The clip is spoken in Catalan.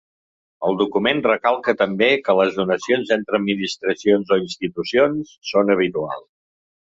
El document recalca també que les donacions entre administracions o institucions són habituals.